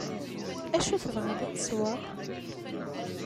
Acu tebɣiḍ ad tesweḍ.